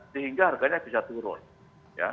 sehingga harganya bisa turun